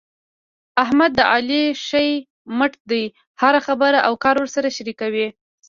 احمد د علي ښی مټ دی. هره خبره او کار ورسره شریکوي.